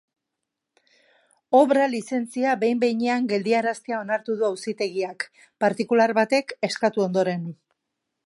Obra-lizentzia behin-behinean geldiaraztea onartu du auzitegiak, partikular batek eskatu ondoren.